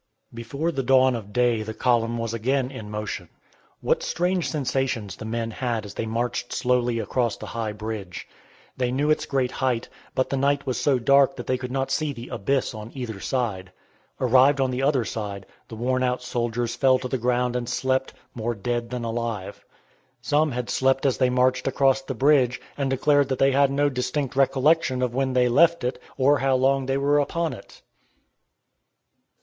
Before the dawn of day the column was again in motion. What strange sensations the men had as they marched slowly across the High Bridge. They knew its great height, but the night was so dark that they could not see the abyss on either side. Arrived on the other side, the worn out soldiers fell to the ground and slept, more dead than alive. Some had slept as they marched across the bridge, and declared that they had no distinct recollection of when they left it, or how long they were upon it.